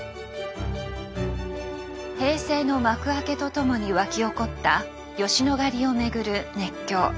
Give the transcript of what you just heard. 平成の幕開けとともに沸き起こった吉野ヶ里をめぐる熱狂。